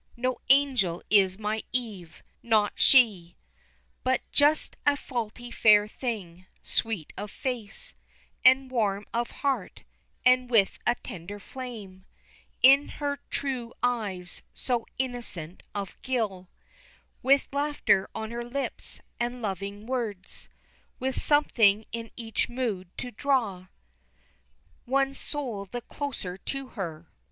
No angel is my Eve, not she, But just a faulty fair thing, sweet of face, And warm of heart, and with a tender flame In her true eyes so innocent of guile, With laughter on her lips, and loving words, With something in each mood to draw One's soul the closer to her.